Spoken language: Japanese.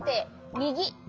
みぎ。